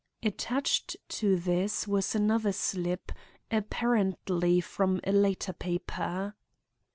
Attached to this was another slip, apparently from a later paper.